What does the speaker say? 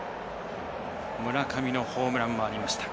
村上のホームランもありました。